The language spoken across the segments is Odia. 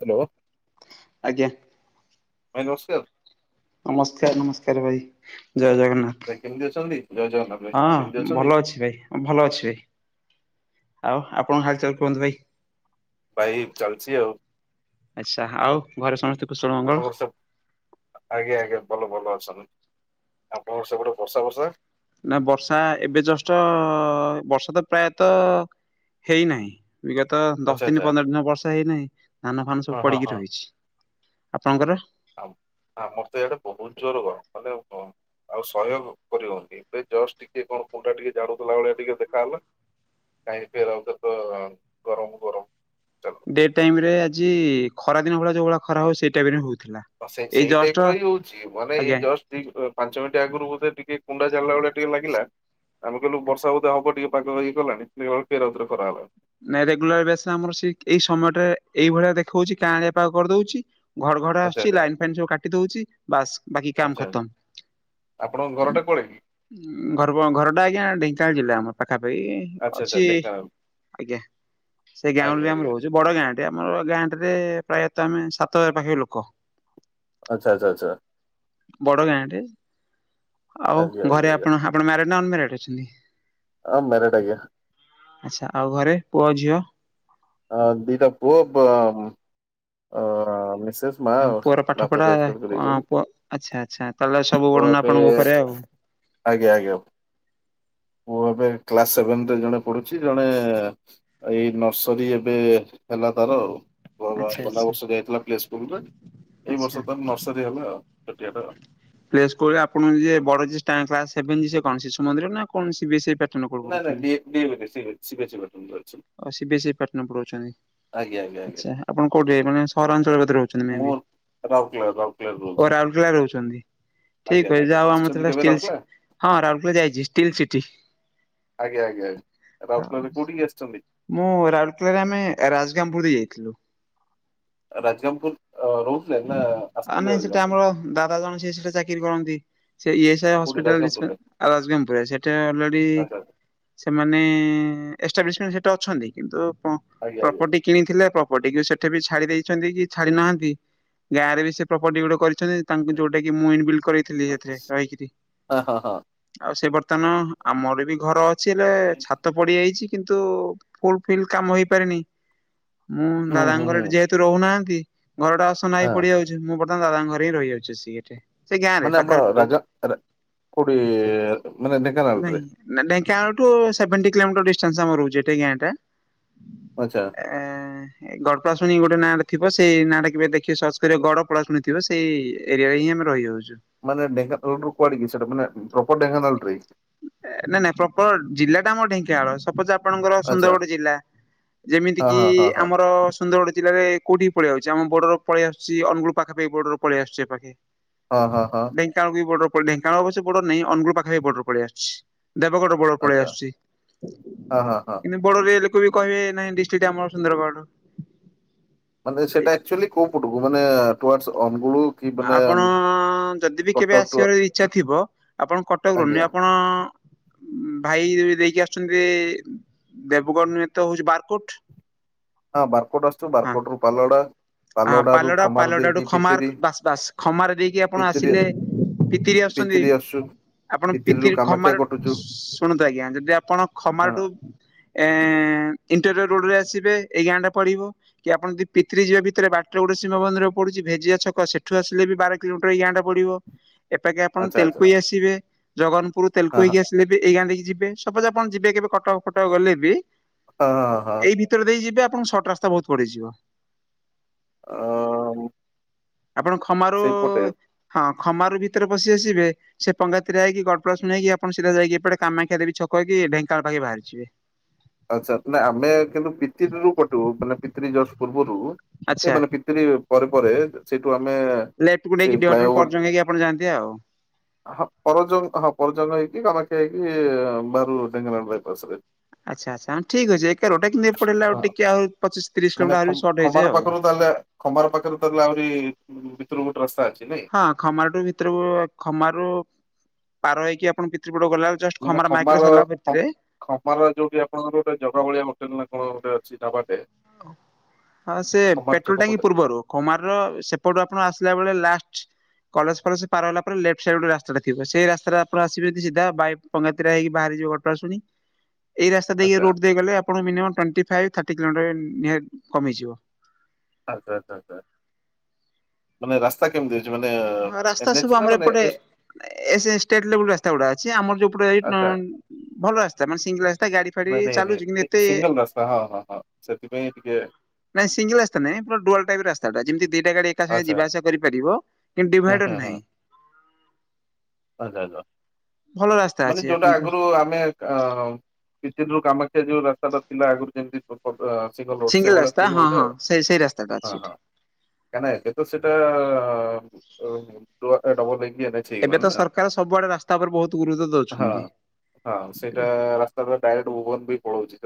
ହ୍ୟାଲୋ ଆଜ୍ଞା। ନମସ୍କାର। ନମସ୍କାର ନମସ୍କାର ଭାଇ ଜୟ ଜଗନ୍ନାଥ। ଭାଇ କେମିତି ଅଛନ୍ତି ଜୟ ଜଗନ୍ନାଥ ଭାଇ କେମିତି ହଁ ଅଛନ୍ତି? ଭଲ ଅଛି ଭାଇ, ଭଲ ଅଛି ଭାଇ ଆଉ ଆପଣଙ୍କ ହାଲ ଚାଲ କୁହନ୍ତୁ ଭାଇ? ଭାଇ ଚାଲଛି ଆଉ ଆଛା, ଆଉ ଘରେ ସମସ୍ତେ କୁଶଳ, ମଙ୍ଗଳ ଆପଣଙ୍କର ସବୁ ଆଜ୍ଞା ଆଜ୍ଞା ଭଲ, ଭଲ ଅଛନ୍ତି, ଆଉ ଆପଣଙ୍କର ସେ ପଟେ ବର୍ଷା ବର୍ଷା ନା ବର୍ଷା, ଏବେ ଜଷ୍ଟ, ବର୍ଷା ତ ପ୍ରାୟତଃ ହେଇ ନାହିଁ। ବିଗତ ଆଚ୍ଛା ଦଶ ଦିନ ଆଚ୍ଛା ପନ୍ଦର ଦିନ ବର୍ଷା ହେଇନାହିଁ, ଧାନ ଫାନ ହଁ ସବୁ ହଁ ପଡିକି ହଁ ରହିଛି। ଆପଣଙ୍କର? ଆମର ତ ଏଇଆଡେ ବହୁତ ଜୋର ଗରମ, ମାନେ ଆଉ ସହ୍ୟ କରି ହଉନି, ଏବେ ଜଷ୍ଟ ଟିକେ କଣ କୋଉଟା ଟିକେ ଜାଡୁଥିଲା ଭଳିଆ ଟିକେ ଦେଖାହଲା। କାଇ ଫେରଉ ତ ତ ଗରମ ଗରମ ଚାଲୁ ଡେ ଟାଇମ ରେ ଆଜି ଖରା ଦିନ ଭଳିଆ ଯୋଉ ଭଳିଆ ଖରା ହଉ, ସେଇ ଟାଇମ ରେ ହଉଛି। ସେ ସେଇ ଟାଇପ ର ହିଁ ହଉଛି, ମାନେ ଏଇ ଆଜ୍ଞା ଜ ଦି ପାଞ୍ଚ ମିନିଟ ଆଗରୁ ବୋଧେ ଟିକେ କୁଣ୍ଡା ଝାଡ଼ିଲା ଭଳିଆ ଟିକେ ଲାଗିଲା, ଆମେ କହିଲୁ ବର୍ଷା ବୋଧ ହବ ଟିକେ ପାଗ ହେଇ ଗଲାଣି, ଖେରାଉରେ [unintelligible] ଖରାହଲାଣି। ନାଇଁ ରେଗୁଲାର ବସ ଆମର ସେ ଏଇ ସମୟଟରେ ଏଇଭଳିଆ ଦେଖଉଛି କାଁ ଆଳିଆ ପା କରିଦଉଛି ଘର ଘର ଆଚ୍ଛା ଆସୁଛି, ଆଚ୍ଛା ଲାଇନ ଫାଇନ୍ ସବୁ କାଟି ଦଉଛି, ବାସ୍ ବାକି କାମ ଆଚ୍ଛା ଖତମ ଆପଣଙ୍କ ଘରଟା କୁଆଡେ କି? ଘର, ଘର ଟା ଆଜ୍ଞା ଢେଙ୍କାନାଳ ଜିଲ୍ଲା ଆମର କଖା ପାଇଁ ଆଚ୍ଛା ଆଚ୍ଛା ଅଛି ଢେଙ୍କାନାଳ [unintelligible] ସେଇ ଗାଁଉଳି ଆଜ୍ଞା ରେ ଆମେ ଆଜ୍ଞା। ରହୁଛୁ, ବଡ ଗାଁ ଆମର, ଗାଁଟା ରେ ପ୍ରାୟତଃ ଆମେ ସାତ ହଜାର ପାଖାପାଖି ଲୋକ ଆଛା, ଆଚ୍ଛା, ଆଚ୍ଛା। ବଡ ଗାଁଟେ, ଆଉ ଆଜ୍ଞା ଆଜ୍ଞା ଘରେ ଆପଣ ଆପଣ ମ୍ୟାରେଡ ନା ଅନମାରେଡ ଅଛନ୍ତି? ହଁ ମେରାଡ ଆଜ୍ଞା। ଆଛା, ଆଉ ଘରେ ପୁଅ ଝିଅ? ଆ ଦିଟା ପୁଅ, ମି ମା, ପୁଅର ପାଠ ପଢା ବାପା ଏସପଟ କଣ କରିଛୁ ପୁଅ ଆଚ୍ଛା ଆଚ୍ଛା ତାହେଲେ [unintelligible] ସବୁ ପୁଅ ଓଢଣା ଏବେ ଆପଣଙ୍କ ଉପରେ ଆଉ ଆଜ୍ଞା, ଆଜ୍ଞା, ପୁଅ ଏବେ କ୍ଲାସ ସେଭେନ ରେ ଜଣେ ପଢୁଛି, ଜଣେ ଏଇ ନର୍ସରୀ ଏବେ ହେଲା ତାର ଆଉ ଆଚ୍ଛା [unintelligible] ଗଲା ଆଚ୍ଛା ବର୍ଷ ଯାଇଥିଲା ପ୍ଲେ ସ୍କୁଲ ରେ, ଏଇ ଆଚ୍ଛା। ବର୍ଷ ତ ନର୍ସରୀ ହେଲେ ଆଉ ଛୋଆଟେ ଆଉ ଆପଣ ଯିଏ ବଡଭେ [unintelligible] ଯ କଣ ଶିଶୁନ୍ଦିର ନା କଣ ସେ? ନା ନା ସିବସି ପାଟନା ପଢ଼ଉଛନ୍ତି, ଆଜ୍ଞା ଆଜ୍ଞା ଆଜ୍ଞା ଆଚ୍ଛା, ଆପଣ କୋଉଠି ମାନେ ସହରାଞ୍ଚଳରେ ରହୁଛନ୍ତି ମେ ମୁଁ ବି, ରାଉରକେଲା ରାଉରକେଲାରେ ରହୁଛି। ଓ ରାଉଲକେଲା ରହୁଛନ୍ତି? ଆଜ୍ଞା ଠିକ ଅ ଆଜ୍ଞା ଯା ଆସିଛନ୍ତି ଆମର, କେବେ ରାଉରକେଲା ହଁ ରାଉରକେଲା ଯାଇଛି ଷ୍ଟିଲ୍ ସିଟି ଆଜ୍ଞା, ଆଜ୍ଞା, ଆ ରାଉଲକେଲା କଉଠିକି ଆସିଛନ୍ତି? ମୁଁ ରାଉରକେଲାରେ ଆମେ, ରାଜଗାଙ୍ଗ ପୁରରେ ଯାଇଥିଲୁ। ରାଜଗାଙ୍ଗପୁର ବ ନା [unintelligible] ଆ ନାଇଁ, ସେଟା ରାଜଗାଙ୍ଗପୁର ଆମର ଦା ଜଣ ସେ ସେଟା ଚାକିରି କରନ୍ତି ସେ କୋଉଠି ରାଜଗାଙ୍ଗପୁରରେ ଶୁଣନ୍ତୁ ସେଟା ଅଲରେଡି ଆଚ୍ଛା ସେମାନେ ଏାବ୍ମଣ୍ଟ [unintelligible] ସେଟା ଅଛନ୍ତି। କିନ୍ତୁ ଆଜ୍ଞା ଆଜ୍ଞା ପ୍ରପର୍ଟି କିଣିଥିଲେ, ପ୍ରପର୍ଟି କି ସେଠି ବି ଛାଡି ଦେଇଛନ୍ତି କି ଛାଡି ନାହାନ୍ତି ଗାଁ ରେ ବି ସେ ପ୍ରପର୍ଟି ଗୁଡା କରି ତାଙ୍କୁ ଯୋଉଟା କି ମୁଥିଲି ସେଥିରେ ରହିକରି, ହଁ ହଁ ହଁ। ଆଉ ସେ ବ ବତନ ଆମର ବି ଘର ଅଛି, ହେଲେ ଛାତ ପଡିଯାଇଛି କିନ୍ତୁ ଫୁଲ ଫିଲ୍ କାମ ହେଇପାରିନି, ମୁଁ ହୁଁ ହୁଁ ହୁଁ ଦାଦାଙ୍କର ଯେହେତୁ ରହୁନାହାନ୍ତି ଘରଟା ଅସନା ହିଁ ହଁ ପଡ଼ିଯାଉଛି, ମୁଁ ବର୍ତମାନ ଦାଦା ଘରେ ହି ରହିଯାଉଛି ସିଏ ଏଠେ ସେ ଗାଁ ରେ, ମାନେ ଆମ ପାଖରେ ପାଖି ରାଜା ରା କୋଉଠି ମାନେ ନାଇଁ, ଢେଙ୍କାନାଳରେ ଢେଙ୍କାନାଳୁ ସେଭେଣ୍ଟି କିଲୋମିଟର ରହୁଛି ହେଠି ଗାଁ ଟା, ଆଚ୍ଛା ଗଡପଳାଶୁଣି ଗୋଟେ ନାଁ ଥିବ ସେଇ ନାଟା କେବେ ଦେଖି ସର୍ଚ୍ଚ କରିବେ ଗଡ ପଳାଶୁଣି ଥିବ ସେଇ ଏରିଆରେ ହିଁ ଆମେ ରହିଆଉଚୁ। ମାନେ ଢେଙ୍କାନାଳ ରୁ କୁଆଡେ କି ସେଟା ମାନେ ପ୍ରପୋର ଢେଙ୍କାନାଳରେ ନାଇଁ ନାଇଁ ପ୍ରପର ଜିଲ୍ଲା ଟା ଆମର ଢେଙ୍କାନାଳ ସପୋଜ ଆପଣଙ୍କର ଆଚ୍ଛା ସୁନ୍ଦରଗଡ଼ ଜିଲ୍ଲା ଯେମିତି ହଁ କିି ହଁ ହଁ ହଁ ଆମର ସୁନ୍ଦରଗଡ଼ ଜିଲ୍ଲାରେ କୋଉଠି କି ପଳେଆଉଚୀ ଆମ ବର୍ଡରକୁ ପଳେଇ ଆସୁଚି ଅନୁଗଳ ପାଖାପାଖି ବର୍ଡରକୁ ପଳେଇ ଆସୁଚି ଏପାଖେ ହଁ ହଁ ହଁ ଢେଙ୍କାନାଳ ବି ବର୍ଡର ପ ଢେଙ୍କାନାଳ ଅବଶ୍ୟ ବଡର ନାହିଁ ଅନୁଗୁଳ ପାଖାପାଖି ବର୍ଡର ପଳେଇ ଆସିଚି। ଦେବଗଡ ବର୍ଡର ପଳେଇ ଆଚ୍ଛା ଆସୁଚି ହଁ ହଁ ହଁ କିନ୍ତୁ ବର୍ଡରେ ଲୋକ ବି କହିବେ ନାଇଁ ଡିଷ୍ଟିକ ଟା ଆମର ସୁନ୍ଦରଗଡ଼। ମାନେ ସେଇଟା ଆକଚ୍ୟୁଲି କୋଉ ପଟକୁ ମାନେ ଟୁଆଡର୍ସ ଅନୁଗୁଳ। କି ମାନେ ଆପଣ ଯଦି ବି କେବେ କଟକ ଟୁ ଆସିବାର ଇଚ୍ଛା ଥିବ ଆପଣ କଟକରୁ ଆଜ୍ଞା। ନି ଆପଣ ଭାଇ ଦେଇକି ଆସୁଚନ୍ତି ଦେବଗଡ଼ ନୁହେଁ ତ ହୋଉଚି ବାରକୋଟ୍। ହଁ ବାରକୋଟ୍ ଆସୁଚୁ ବାରକୋଟ୍ ରୁ ପାଲଲହଡା ହଁ ପାଲଲହଡା ରୁ ପାଲହଡା ଖମାର ପାଲହଡାଠୁ ଦେଇକି ଖମାର ପିତିରି ବାସ ବାସ ଖମାର ଦେଇକି ଆପଣ ପିତିରି ଆସିଲେ ପିତିରି ଆସୁଚନ୍ତି। ଆପଣ ପିତିରିରୁ ପିତିରି କାମାକ୍ଷା ଖମାର କଟୁଛୁ ଶୁଣନ୍ତୁ ଆଜ୍ଞା ଯଦି ଆପଣ ହଁ ଖମାରଠୁ ଏ ଇଣ୍ଟରିଅର ରୋଡରେ ଆସିବେ ଏଇ ଗାଁ ଟା ପଡିବ କି ଆପଣ ଯଦି ପିତିରି ଯିବେ ବି ବାଟରେ ଗୋଟେ ଶିବମନ୍ଦିର ପଡୁଚି ଭେଜିଆ ଛକ ସେଠୁ ଆସିଲେ ବି ବାର କିଲୋମିଟର ଏଇ ଗାଁଟା ପଡିବ। ଏପାଖେ ଆପଣ ଆଚ୍ଛା ଆଚ୍ଛା ତେଲକୋଇ ଆସିବେ ଜଗନପୁର ହଁ ତେଲକୋଇକି ଆସିଲେ ବି ଏଇ ଗାଁ ଦେଇକି ଯିବେ ସପୋଜ ଆପଣ ଯିବେ କେବେ କଟକ ଫଟକ ଗଲେ ବି ହଁ ହଁ ହଁ ହଁ ଏଇ ଭିତରେ ଦେଇ ଯିବେ ଆପଣ ସର୍ଟ ରାସ୍ତା ବୋହୁତ ପଡିଯିବ। ଆମ ଆପଣ ଖମାରୋ ହଁ ଖମାରୋ ଭିତରେ ପସି ଆସିବେ ସେ ପଙ୍ଗାତିରେଇକା ଗଡପଳାଶୁଣି ହେଇକି ଆପଣ ଯାଇକି ଏପଟେ କାମାକ୍ଷାଦେବୀ ଛକ ହେଇକି ଢେଙ୍କାନାଳ ପାଖେ ବାହାରିଯିବେ। ଆଚ୍ଛା ଆମେ କିନ୍ତୁ ପିତିରିରୁ କଟିବୁ ମାନେ ପିତିିରି ଜଷ୍ଟ ପୂର୍ବରୁ ଆଚ୍ଛା ଏ ମାନେ ପିତିରି ପରେ ପରେ ସେଇଠୁ ଆମେ [unintelligible] ସେଇ ଫ୍ଲାଏଓଭର ପର୍ଜଙ୍ଗ ହେଇକି ଆପଣ ଯାଆନ୍ତି ଆଉ ହଁ ପରଜଙ୍ଗ ହଁ ପରଜଙ୍ଗ ହେଇ କାମାକ୍ଷା ହେଇକି ବାହାରୁ ଢେଙ୍କାନାଳ ବାଇପାସରେ ଆଚ୍ଛା ଆଚ୍ଛା ‌ହଁ ଠିକ୍ ଅଛି ଏକା ରୋଡଟା କିନ୍ତୁ ଏପଟେ ହେଲେ ଆଉ ହଁ ଟିକେ ଆଉ ପଚିଶତିରିଶ ମାନେ ଖ କିଲୋମିଟର ସର୍ଟ ଖମାର ହେଇଯାଏ ଆଉ ପାଖରୁ ତାହେଲେ ଖମାର ପାଖରୁ ତାହାଲେ ଆହୁରି ଭିତରକୁ ଗୋଟେ ରାସ୍ତା ଅଛି। ନାଇଁ ହଁ ଖମାର ଟୁ ଭିତରକୁ ଖମାରୁୁ ପାର ହେଇକି ଆପଣ ଭିତ ମାନେ ଖମାର ଖ-ଖମାର ଯୋଉଠି ଆପଣଙ୍କର ଗୋଟେ ଜଗା ବଳିଆ ହୋଟେଲ ନା କଣ ଗୋଟେ ଅ ଛି ଢାବାଟେ ହଁ ସେ ଖମାର ପେଟ୍ରୋଲ ଛକ ଟାଙ୍କି ପଟେ। ପୂର୍ବରୁ ଖମାର ସେପଟୁ ଆପଣ ଆସିଲା ବେଳେ ଲାଷ୍ଟ [inaudible] କଲେଜ ଫଲେଜ ପାର ହେଲା ପରେ ଲେଫ୍ଟ ସାଇଡ୍ ରେ ଗୋଟେ ରାସ୍ତାଟେ ଥିବ ସେଇ ରାସ୍ତାରେ ଆପଣ ଆସିବେ ଯିଦି ବାଇ ପଙ୍ଗାତିରା ହେଇକି ବାହାରିଯିବ। ପଟାଶୁଣି ଏଇ ରାସ୍ତା ଦେଇକି ଆଚ୍ଛା ରୋଡ ଦେଇ ଗଲେ ଆପଣଙ୍କୁ ମିନିଅମ ଟୋଣ୍ଟି ପାଇବି ଥାର୍ଟି କିଲୋମିଟର ନିହା କମିଯିବ। ଆଚ୍ଛା ଆଚ୍ଛା ଆଚ୍ଛା ମାନେ ରାସ୍ତା କେମିତି ଅଛି ମାନେ ହଁ ଏନ୍ ରାସ୍ତା ଏଚ୍ ସବୁ ନା ଆମର ମାନେ ଏପଟେ ଏସ୍ ଏ ସେ ଷ୍ଟେଟ ଲେବଲ ରାସ୍ତା ଉଡା ଅଛି ଆମର ଯୋଉ ଆଚ୍ଛା। [unintelligible] ଭଲ ରାସ୍ତା ମାନେ ସିଙ୍ଗଲ ରାସ୍ତା ଗାଡି ଫାଡି ଚାଲୁଚି କିନ୍ତୁ ଏତେ ହ ହ ହ ସେ ନାଇଁ ସିଙ୍ଗଲ ରାସ୍ତା ନାଇଁ ଡୁଆଲ ଟାଇପି ରାସ୍ତା ଟା ଯେମିତି ଦି ଏକା ସାଙ୍ଗେ ଆଚ୍ଛା ଯିବା ଆସିବା କରିପାରିବ କିନ୍ତୁ ହୁଁ ଡିଭାଇଡର ହୁଁ ହୁଁ। ନାହିଁ। ଆଚ୍ଛା ଆଚ୍ଛା [unintelligible] ଭଲ ରାସ୍ତା ମାନେ ଅଛି ଯୋଉଟା ଆପଣଙ୍କର। ଆଗରୁ ଆମେ ସେ ଯୋଉ କାମାକ୍ଷା ଯୋଉ ରାସ୍ତାଟା ଥିଲା ଆଗରୁ ଯେମିତି ପ୍ରପୋର ଆ ସିଙ୍ଗିଲ ରୋଡ ସିଙ୍ଗଲ ସେଇଭଳିଆ ରାସ୍ତା ଥିବ ହଁ ବୋଧ ହଁ ଆଉ ସେଇ ସେଇ ରାସ୍ତାଟା ଅଛି ହଁ ହଁ। ଏଠି। କାହିଁକି ନା ଏବେତ ସେଟା [unintelligible] ରୋଡଟା ଡବଲ ହେଇକି ଏନ୍ ଏଚେ ଏବେ ତ ହେଇଗଲାଣି ନା ହଁ ସରକାର ସବୁଆଡେ ରାସ୍ତା ଉପରେ ବହୁତ ଗୁରୁତ୍ୱ ଦଉଛନ୍ତି। ହଁ ସେଟା ରାସ୍ତାଟା ଡାଇରେକ୍ଟ ଭୁବନ ମୁଁ କହି ପଳଉଛି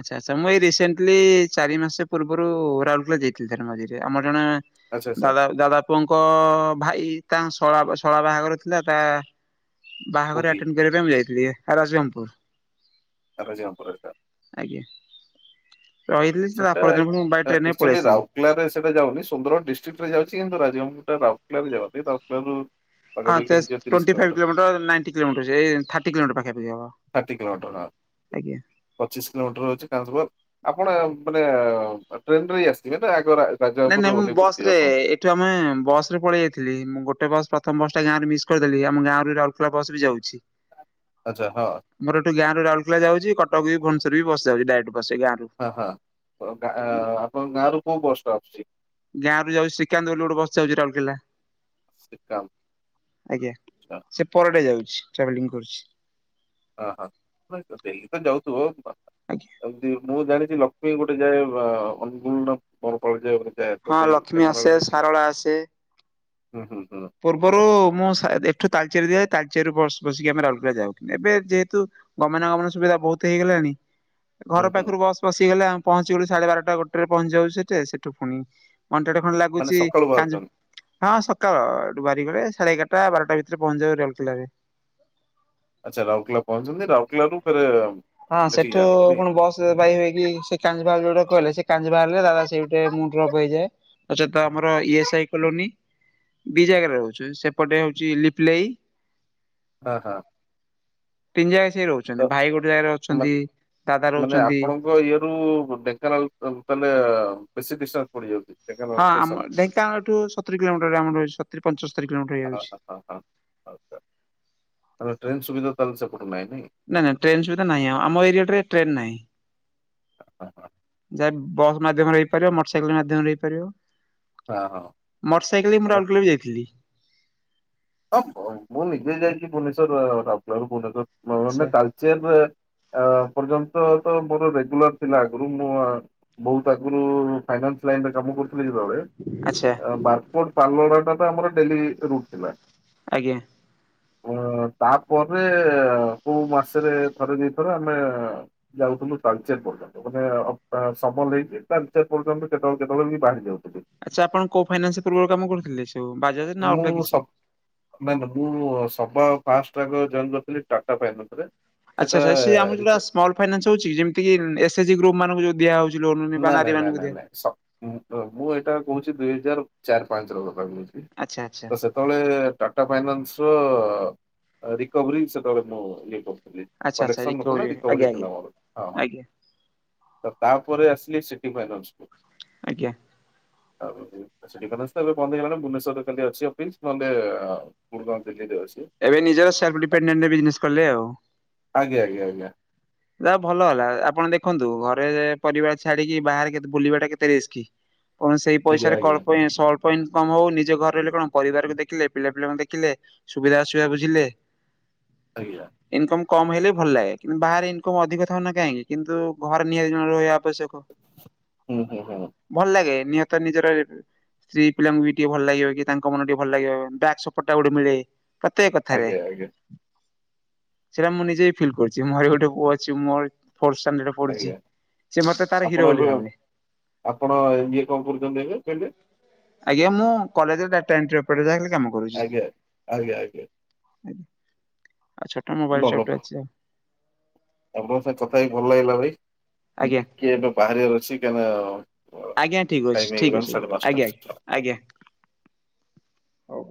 ଆଛା ଆଛା ମୁଁ ଏଇ ରିସେଣ୍ଟଲି ଚାରି ମାସ ପୂର୍ବରୁ ରାଉରକେଲା ଯାଇଥିଲି ଥରେ ମଝିରେ ଆମର ଜଣେ ଆଚ୍ଛା ଆଚ୍ଛା ଦାଦା ଦାଦା ପୁଅଙ୍କ ଭାଇ ତାଙ୍କ ଶଳା ବା ଶଳା ବାହାଘର ଥିଲା ତା ବାହାଘର କୋଉଠି ଆଟେଣ୍ଡ କରିବା ପାଇଁ ମୁଁ ଯାଇଥିଲି [unintelligible] କୁର୍ ତା ପରେ [unintelligible] ଆଜ୍ଞା। ରହିଥିଲି ତା ସେଟା ପରଦିନ ପୁଣି ମୁଁ ବାଇ ଟ୍ରେନରେ ପଳେଇ ଆକ୍ଚୁଆଲି ଆସିଲି। ରାଉରକେଲାରେ ସେଟା ଯାଉନି ସୁନ୍ଦରଗଡ ଡିଷ୍ଟ୍ରିକ୍ ରେ ଯାଉଛି କିନ୍ତୁ ରାଜ ହେଟା ରାଉରକେଲା ରେ ଯାଉନି ରାଉରକେଲା ରୁ ହଁ ତେସ୍‌ twenty five kilometre ninety kilometre ସେ ଥାର୍ଟି କିଲୋମିଟର ପାଖାପାଖି ହବ। ଥାର୍ଟି କିଲୋମିଟର ଆଜ୍ଞା। ପଚିଶ କିଲୋମିଟର ହଉଛି କାଲଧୁଆ ଆପଣ ମାନେ ଟ୍ରେନରେ ଆସିଥିବେ ନା ନାଇଁ ରାଜଗାଙ୍ଗପୁରରେ ନାଇଁ ମୁଁ ଓହ୍ଲେଇ ବସ ପଡ଼ିଥିବେ ରେ ଆପଣ ଏଇଠୁ ଆମେ ବସ ରେ ପଳେଇ ଆଇଥିଲି ମୁଁ ଗୋଟେ ବସ ପ ପ୍ରଥମ ବସଟା ଗାଁ ରେ ମିସ୍ କରିଦେଲି ଆମ ଗାଁରେ ରାଉଲକେଲା ବସ୍ ବି ଯାଉଛି। ଆଚ୍ଛା ହଁ ମୋର ଏଠୁ ଗାଁରୁ ରାଉରକେ ଯାଉଚି କଟକ ବି ଭୁବନେଶ୍ୱର ବି ବସ ଯାଉଚି ଡାଇରେକ୍ଟ। ବସ୍ ଗାଁରୁ। ହଁ ହଁଁ ପ ଗା ଆପଣ ଗାଁ ରୁ କୋଉ ବସଟା ଆସୁଛି। ଗାଁ ରୁ ଯାଉଚି ଶ୍ରୀକାନ୍ତ ବୋଲି ଗୋଟେ ବସି ଯାଉଚି ରାଉଲକେଲା। ଶ୍ରୀକାନ୍ତ ଆଜ୍ଞା ଆଚ୍ଛା, ସେ ପରଟେ ଯାଉଚି ଟ୍ରାଭେଲିଙ୍ଗ କରୁଚି। ହଁ ହଁ ମୁଁ କହିଲି ତ ଡେଲି ଯାଉଥିବ ଆଜ୍ଞା [unintelligible] ମୁଁ ଜାଣି ଯି ଲକ୍ଷ୍ମୀ ଗୋଟେ ଯାଏ ବା ଅନୁଗୁଳୁ ର [unintelligible] ହଁ ଲକ୍ଷ୍ମୀ ଆସେ ସାରଳା ଆସେ। ହୁଁ ହୁଁ ହୁଁ ପୂର୍ବରୁ ମୁଁ ସା ଏଠୁ ତାଲଚେର ଯାଏ ତାଲ ଚେରୁ ବସ ବସିକି ଆମେ ରାଉଲଗୋ ଯାଉ ଏବେ ଯେହେତୁ ଗମନାଗମନ ସୁବିଧା ବହୁତ ହେଇଗଲାଣି ଘର ହୁଁ ହୁଁ ପାଖରୁ ବସ୍ ପସିିଗଲେ ଆମ ପହଞ୍ଚିଗଲୁ ସାଢେ ବାରଟା ଗୋଟେରେ ପହଞ୍ଚି ଯାଉଛ ସେଠେ ସେଠୁ ପୁଣି ଘଣ୍ଟାଟେ ଖଣ୍ଡେ ମାନେ ଲାଗୁଚି ସକାଳୁ କାଞ୍ଜି ବାହାରୁଛନ୍ତି ହଁ ସକାଳ। ବାରିଗରିଆ ସାଢେ ଏଗାରଟା ବାରଟା ଭିତରେ ପହଞ୍ଚଯାଉ ରେଳକେଲାରେ। ଆଚ୍ଛା ରାଉରକେଲା ପହଞ୍ଚଛନ୍ତି ରାଉରକେଲାରୁ ଫରେ ହଁ ସେଠୁ କଣ ବସ ପାଇଭାଇକି ସେ [unintelligible] କହିଲେ ସେ କାଞ୍ଜି ବାହାରିଲେ ଦାଦା ସେଇଟେ ମୁଁ ଡ୍ରପ ହେଇଯାଏ ଆଉସେତ ଆମର ଇଏସ୍ ଆଇ କଲୋନୀ। ଦି ଜାଗାରେ ହଉଚି ସେପଟେ ହଉଚି ଲିପଲେଇ ହଁ ହଁ। ତିନି ଜାଗା ସେଏ ରହୁଛନ୍ତି ତ ଭାଇ ଗୋଟେ ଜାଗାରେ ରହୁ ମା ମାନେ ଆପଣଙ୍କ ଇଏ ରୁ ଢେଙ୍କାନାଳ ତା ତାହାନେ ବେଶୀ ବିଶା ପଡ଼ିଯାଉଚି। ହଁ ଆମ ଢେଙ୍କାନଳଠୁ ସତୁରି କିଲୋମିଟର ଆମର ସତୁରି ପଞ୍ଚ ତୁରୀ କିଲୋମିଟର ହଁ ହେଇଯାଉଛି। ହଁ ହଁ ହଁ। ଆଚ୍ଛା ମାନେ ଟ୍ରେନ ସୁବିଧା ତାହାଲେ ସେପ ନା ନା ଟ୍ରେନ ସୁବିଧା ନାହିଁ ଆମ ଏରିଆଟାରେ ଟ୍ରେନ ନାହିଁ। ହଁ ହଁ ଯାହା ବସ୍ ମାଧ୍ୟମରେ ହେଇପାରିବ ମୋଟର ସାଇକେଲ ମାଧ୍ୟମରେ ହେଇପାରିବ। ହଁ ହଁ। ମଟ ସାଇକେଲେ ବି ମୁଁ କାରଣ ରାଉଲକେଲା ଯାଇଥିଲି। ହଁ ମୁଁ ନିଜେ ଯାଇଚି ଭୁବନେଶ୍ୱର ରାରୁଲକେଲା ରୁ ଭୁବନେଶ୍ୱର। ଭଲନା ଆଛା ତାଳଚେର ରେ ଏଁ [unintelligible] ତ ତ ମୋର ରେଗୁଲାର ଥିଲା ଆଗରୁ ମୁଁ ବୋଉ ପାଖରୁ ଫାଇନା ଲ କାମ କରୁଥିଲେ ଆଚ୍ଛା ଯେତେବେଳେ ବାରକୋଟ ପାଲୋଡା ଟା ତ ଆମର ଡେଲି ରୁଟ ଥିଲା। ଆଜ୍ଞା। ଅ, ତାପରେ କୋଉ ମାସରେ ଥରେ ଦି ଥର ଆମେ ଯାଉଥିଲୁ ତାଳଚେର। ମାନେ ସମୟ ନେଇକି [unintelligible] କେତବଳେ କେତବଳେ ବାହାରି ଯାଉ। ଆଚ୍ଛା ଆପଣ କୋଉ ଫାଇନାନ୍ସ ପୂର୍ବରୁ କାମ କରୁଥିଲେ। ସବୁ ବାଜାଜ ନା ଅଲଗା ମୁଁ କିଛି? ସବ ନାଇଁଁ ନା ମୁଁ ସବ ଫାଷ୍ଟ ଆଗ ଯଏନ କରିଥିଲି ଟାଟା ପାଇନରେ ଆଚ୍ଛ ଆଛା ଆର ଯୋଉା ସ୍ମଲ ଫାଇନାନ୍ସଉଛିମିତି ଏସ୍ ଏଜି ଗ୍ରପ୍ାନଙ୍କୁଉ ଦିଆଉଛି ନ ନାଇଁ ନାଇଁ ନାଇଁ ନାଇଁ ମୁଁ ଏଇଟା କହୁଛି ଦୁଇ ହଜାର ଚାରି ପାଞ୍ଚ ଆଚ୍ଛା ଆଚ୍ଛା ର ସେତେବେଳେ ଟାଟା ଫାଇନାନ୍ସ ରିକଭରି ସେତେବେଳେ ମୁଁ ଇଏ ଆଚ୍ଛା ଆଚ୍ଛା କଲେକ୍ସନ ନଥିଲା ରିକଭରି ଆଜ୍ଞା ହେଲା ଆଜ୍ଞା ମୋର ହଁ ହଁ ଆଜ୍ଞା ତ ତା ଆ ସିଟି ଫାଇନ୍ ଆଜ୍ଞା। ଆଉ ସେଠବେ ବନ୍ଦ ହେଇଲାଣି ଭୁବନେଶ୍ୱରରେ ଅଛି [unintelligible] ଗୁଡଗାଉଁ ଦିଲ୍ଲୀ ଏବେ ନିଜର ସେଲ୍ଫ ଡିପେଟେଣ୍ଟ ବିଜନେସ କଲେ ଆଉ। ଆଜ୍ଞା ଆଜ୍ଞା ଆଜ୍ଞା ଯାହା ଭଲ ହେଲା ଆପଣ ଦେଖନ୍ତୁ ଘରେ ପରିବାର ଛାଡିକି ବାହାରେ କେ ବୁଲିବା ଟା କେତେ ରିସ୍କ। କଣ ସେଇ ଆଜ୍ଞା ପଇସାରେ ଆଜ୍ଞା କଳ୍ପଳପ ଇନକମ୍ ହଉ ନିଜ ଘର କଣ ପରିବାରକୁ ଦେଖିଲେ ପିଲା ପିଲାଙ୍କୁ ଦେଖିଲେ ସୁବିଧା ଅସୁବିଧା ବୁଝିଲେ। ଆଜ୍ଞା। ଇନକମ୍ କମ ହେଲେ ବି ଭଲ ଲାଗେ କିନ୍ତୁ ବାହାରେ ଅଧିକ ଥାଉ ନା କାହିଁକି କିନ୍ତୁ ଘରେ ନିହାତି ରହିବା ଆବଶ୍ୟକ। ହୁଁ ହୁଁ ହୁଁ। ନିହାତ ନିଜର ସ୍ତ୍ରୀ ପିଲାଙ୍କୁ ବି ଟିକେ ଭଲ ଲାଗିବ କି ତାଙ୍କ ମନ ଟିକେ ଭଲ ଲାଗିବ ଦାଡ ସପୋର୍ଟ ଟା ଗୋଟେ ମିଳେ। ପ୍ରତେକ କଥାରେ ଆଜ୍ଞା ଆଜ୍ଞା ସେଟା ମୁଁ ନିଜେ ଫିଲ୍ କରୁଛି ମୋର ଗୋଟେ ପୁଅ ଅ ସେ ମୋ ଫୋର୍ଥ ଷ୍ଟାଣ୍ଡାର୍ଡ ରେ ପଢୁଛି। ଆଜ୍ଞା। ସେ ମତେ ତାର ହିରୋ ଆପଣ ବୋଲି ଏବେ ଭାବେ। ଆପଣ ଇଏ କଣ କରୁଛନ୍ତି ଏବେ? ଆଜ୍ଞାଁ ମୁଁ କଲେଜରେ ଡାଟାଏଣ୍ଟ୍ରି ଓପରେଟ୍ର ଆଜ୍ଞା ଆଜ୍ଞା ଆଜ୍ଞା। ଆଉ ଛଟ ମୋବାଇଲ ଭଲ ଶପ ରେ ଅଛି ଆଉ। ଆପଣଙ୍କ ସାଙ୍ଗରେ କଥା ହେଇକି ଭଲ ଲାଗିଲା ଭାଇ ମୁଁ ଆଜ୍ଞା ଟିକେ ଏବେ ବାହାରିବାର ଅଛି କାହିଁନା ହଁ ଆଜ୍ଞା ଠିକ୍ ଅଛି ଟାଇମ୍ ଠିକ୍ ହେଇଗଲା ଅଛି ସାଢ଼େପାଞ୍ଚଟା ଆଜ୍ଞା ଆଜ୍ଞା। ହଁ ହଉ। ଆଜ୍ଞା, ହଉ।